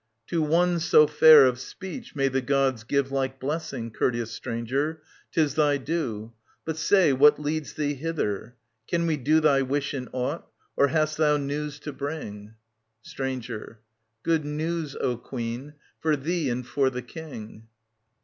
To one so fair of speech may the Gods give Like blessing, courteous stranger ; 'tis thy due. But say what leads thee hither. Can we do Thy wish in aught, or hast thou news to bring ? 52 ▼▼.934 ^7 OEDIPUS, KING OF THEBES Stranger. Good news, O Queen, for thee and for the King.